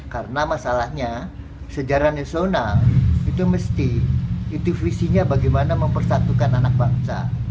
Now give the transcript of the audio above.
karena masalahnya sejarah nasional itu mesti itu visinya bagaimana mempersatukan anak bangsa